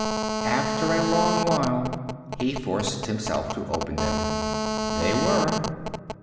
After a long while, he forced himself to open them. They were.